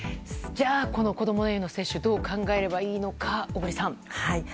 じゃあ、子供への接種どう考えればいいのか、小栗さん。